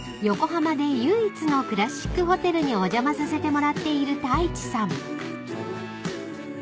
［横浜で唯一のクラシックホテルにお邪魔させてもらっている太一さん］